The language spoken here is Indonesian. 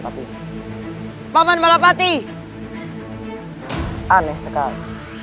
mereka benih sekali